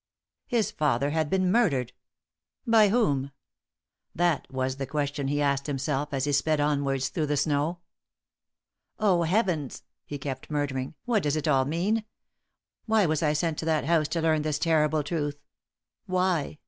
His father had been murdered. By whom? That was the question he asked himself as he sped onwards through the snow. "Oh Heavens!" he kept murmuring. "What does it all mean? Why was I sent to that house to learn this terrible truth? Why?